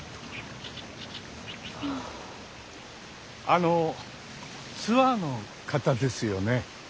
あのツアーの方ですよね？